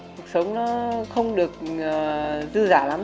cuộc sống nó không được dư giả lắm